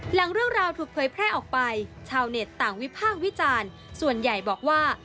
หลังเรื่องราวถูกเผยแพร่ออกไปชาวเน็ตต่างวิพากษ์วิจารณ์ส่วนใหญ่บอกว่า